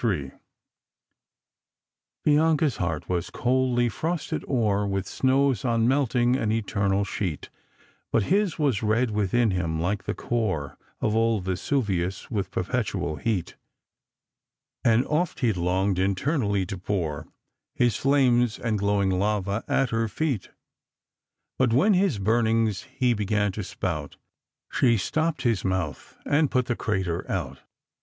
•* Bianca's heart was coldly frosted o'er With snows unmelting— an eternal sLeet ; But his was red within him, like the core Of old Vesuvius, with perpetual heat; An<^ oft he long'd internally to pour His flames and glowing lava at her feet ; But when his burnings he began to spout, She stopp'd his mouth — and put the crater out."